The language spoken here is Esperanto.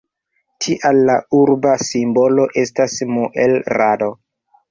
Tial, la urba simbolo estas muel-rado.